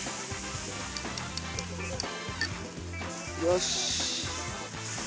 よし！